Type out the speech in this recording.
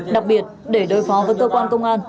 đặc biệt để đối phó với cơ quan công an